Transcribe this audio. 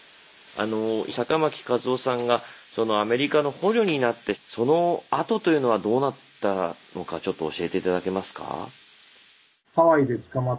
あの酒巻和男さんがアメリカの捕虜になってそのあとというのはどうなったのかちょっと教えて頂けますか？